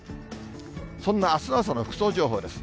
そんなあす朝の服装情報です。